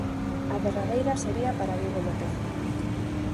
A derradeira sería para Diego López.